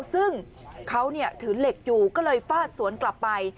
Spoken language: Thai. ซึ่งเขาถือเหล็กอยู่ก็เลยฟาดสวนกลับไป